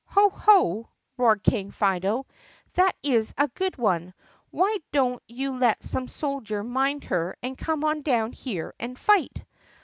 "Ho! ho!" roared King Fido, "that's a good one. Why don't you let some soldiers mind her and come on down here and fight."